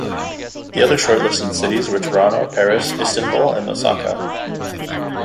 The other shortlisted cities were Toronto, Paris, Istanbul and Osaka.